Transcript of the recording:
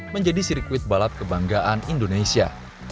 menjadi sirkuit balap kebanggaan indonesia